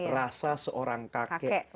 rasa seorang kakek